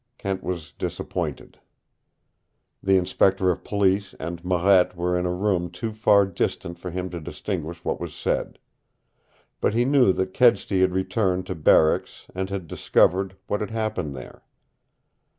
Kent was disappointed. The Inspector of Police and Marette were in a room too far distant for him to distinguish what was said. But he knew that Kedsty had returned to barracks and had discovered what had happened there.